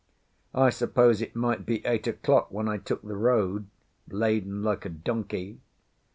I suppose it might be eight o'clock when I took the road, laden like a donkey.